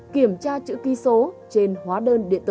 kiểm tra chữ ký số trên hóa đơn điện tử